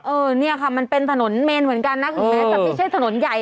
เนี่ยค่ะมันเป็นถนนเมนเหมือนกันนะถึงแม้จะไม่ใช่ถนนใหญ่